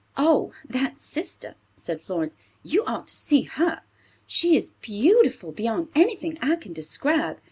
"Oh, that sister!" said Florence. "You ought to see her! She is beautiful beyond anything I can describe.